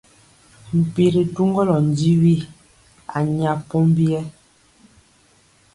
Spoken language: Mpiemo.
Mpi ri duŋgɔlɔ njiwi a nya pombiyɛ.